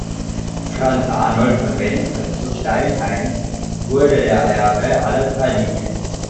Franz Arnold von Wendt zu Steinheim wurde der Erbe aller drei Linien.